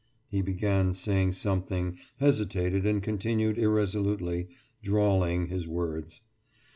« He began saying something, hesitated and continued irresolutely, drawling his words.